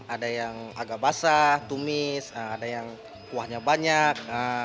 ada yang agak basah tumis ada yang kuahnya banyak